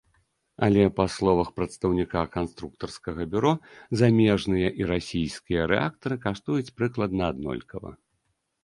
Але, па словах прадстаўніка канструктарскага бюро, замежныя і расійскія рэактары каштуюць прыкладна аднолькава.